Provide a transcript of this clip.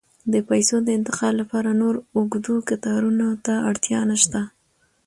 د پیسو د انتقال لپاره نور اوږدو کتارونو ته اړتیا نشته.